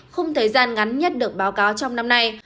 khung thời gian ngắn nhất được báo cáo trong năm nay